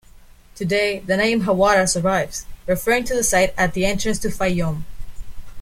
Today, the name "Hawara" survives, referring to the site at the entrance to Faiyum.